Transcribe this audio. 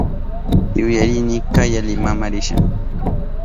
Yuyarini kaya Limama risha.